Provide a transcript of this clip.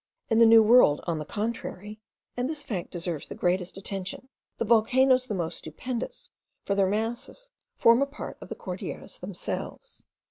In the New World, on the contrary, (and this fact deserves the greatest attention,) the volcanoes the most stupendous for their masses form a part of the Cordilleras themselves.